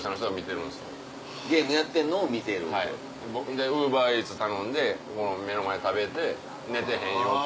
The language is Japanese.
でＵｂｅｒＥａｔｓ頼んで目の前で食べて寝てへんよと。